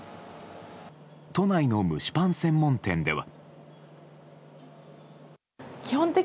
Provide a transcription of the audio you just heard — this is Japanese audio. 都内の蒸しパン専門店では。